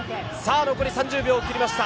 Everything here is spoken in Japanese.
残り３０秒を切りました。